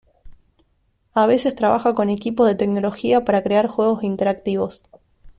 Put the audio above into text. A veces trabaja con equipos de tecnología para crear juegos interactivos.